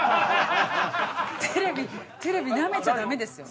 テレビなめちゃダメですよ。